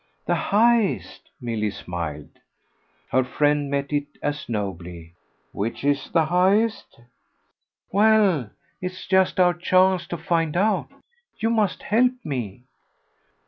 "The highest," Milly smiled. Her friend met it as nobly. "Which IS the highest?" "Well, it's just our chance to find out. You must help me."